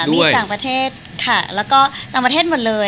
มีต่างประเทศค่ะแล้วก็ต่างประเทศหมดเลย